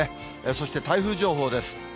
そして台風情報です。